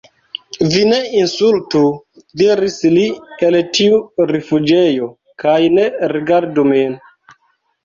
"Vi ne insultu," diris li el tiu rifuĝejo, "kaj ne rigardu min."